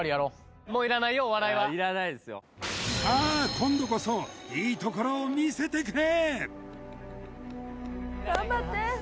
今度こそいいところを見せてくれ！